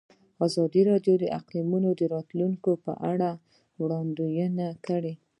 ازادي راډیو د اقلیتونه د راتلونکې په اړه وړاندوینې کړې.